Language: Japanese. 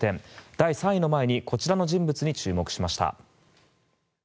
第３位の前にこちらの人物に注目しました。